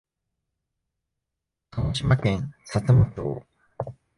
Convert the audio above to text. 鹿児島県さつま町